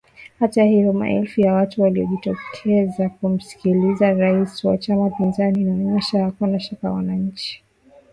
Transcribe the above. Hata hivyo maelfu ya watu waliojitokeza kumsikiliza rais wa chama pinzani inaonyesha hakuna shaka wananchi wamejiandaa kufanya chochote